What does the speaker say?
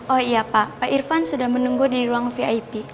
oh iya pak pak irfan sudah menunggu dari ruang vip